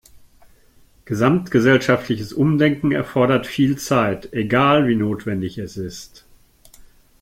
Gesamtgesellschaftliches Umdenken erfordert viel Zeit, egal wie notwendig es ist.